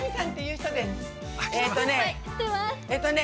えっとね